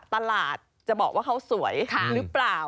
ตลาดจะบอกว่าเขาสวยหรือเปล่า